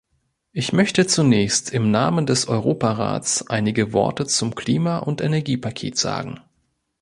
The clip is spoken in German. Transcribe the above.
Ich möchte zunächst im Namen des Europarats einige Worte zum Klima- und Energiepaket sagen.